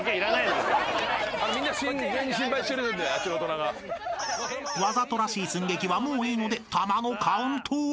［わざとらしい寸劇はもういいので玉のカウントを］